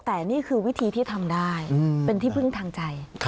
แต่นี่คือวิธีที่ทำได้เป็นที่พึ่งทางใจ